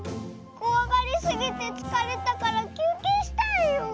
こわがりすぎてつかれたからきゅうけいしたいよ。